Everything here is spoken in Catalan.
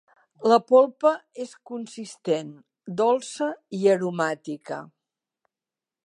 La polpa és consistent, dolça i aromàtica.